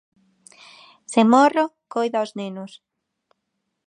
Se morro, coida os nenos.